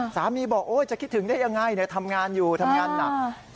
บอกจะคิดถึงได้ยังไงทำงานอยู่ทำงานหนัก